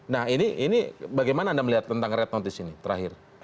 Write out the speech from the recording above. nah ini bagaimana anda melihat tentang red notice ini terakhir